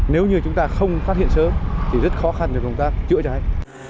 nếu như chúng ta không phát hiện sớm thì rất khó khăn cho chúng ta chữa cháy